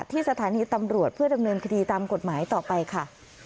ที่สถานีตำรวจเพื่อดำเนินคดีตามกฎหมายต่อไปค่ะ